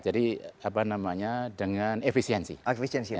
jadi apa namanya dengan efisiensi